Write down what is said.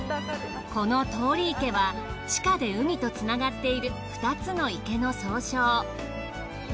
この通り池は地下で海と繋がっている２つの池の総称。